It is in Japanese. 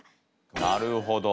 なるほど。